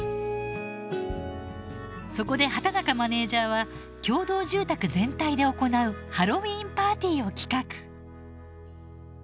そこで畠中マネージャーは共同住宅全体で行うハロウィーンパーティーを企画。